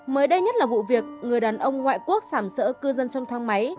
mới đây nhất là vụ việc người đàn ông ngoại quốc sảm sỡ cư dân trong thang máy